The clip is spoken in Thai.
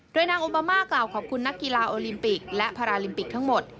โดยนางโอบามากล่าวขอบคุณนักกีฬาโอลิมปิกและพาราลิมปิกทั้งหมด